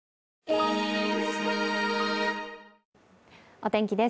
お天気です。